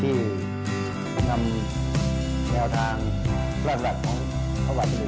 ที่นำแนวทางแรกของพระอาจารย์